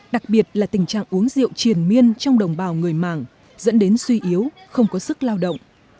đặc biệt là tình trạng uống rượu triền miên trong đồng bào người mạng dẫn đến suy yếu không có sức lao động